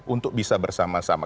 untuk bisa bersama sama